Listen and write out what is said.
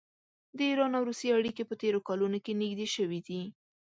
د ایران او روسیې اړیکې په تېرو کلونو کې نږدې شوي دي.